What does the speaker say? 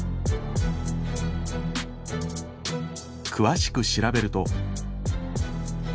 詳しく調べると。